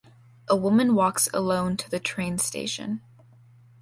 A woman walks alone to the train station.